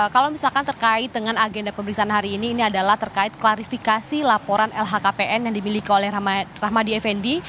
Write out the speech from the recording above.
kalau misalkan terkait dengan agenda pemeriksaan hari ini ini adalah terkait klarifikasi laporan lhkpn yang dimiliki oleh rahmadi effendi